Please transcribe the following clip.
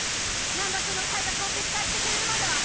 難破君の退学を撤回してくれるまでは！